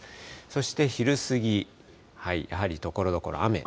そして昼過ぎ、やはりところどころ雨。